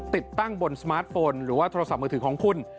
ติดตั้งบนสมาร์ทโฟนหรือว่าโทรศัพท์มือถือของคุณ